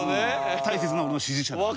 大切な俺の支持者なんで。